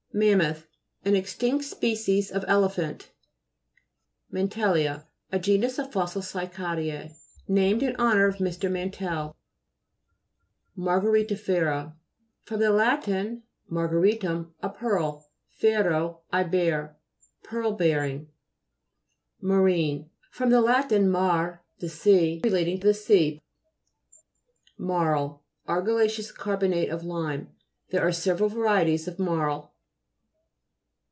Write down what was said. MAMMOTH An extinct species of elephant. MANTE'LLIA A genus of fossil cy ca'deffi, named in honour of Mr. Mantell. MA'RGABETI'JERA fr. lat. marga 226 GLOSSARY. GEOLOGY. ritum, a pearl, fero, I bear. Pearl bearing. MARINE fr. lat. mare, the sea. Re lating to the sea. MAUL Argillaceous carbonate of lime. There are several varieties of marl.